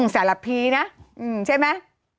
ศาลัพพีนะใช่มั้ย